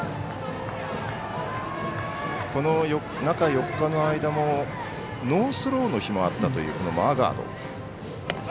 この中４日の間もノースローの日もあったというマーガード。